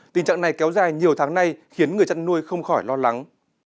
tình trạng này kéo dài nhiều tháng nay khiến người chăn nuôi không khỏi lo lắng